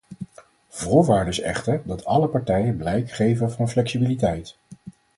Voorwaarde is echter dat alle partijen blijk geven van flexibiliteit.